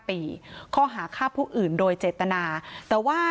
พ่อของสทเปี๊ยกบอกว่า